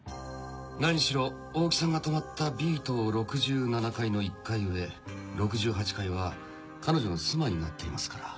何しろ大木さんが泊まったＢ塔６７階の１階上６８階は彼女の住まいになっていますから。